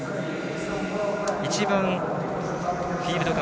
一番フィールド側